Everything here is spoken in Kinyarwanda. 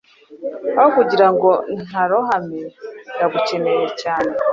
Aho kugirango ntarohame ndagukeneye cyane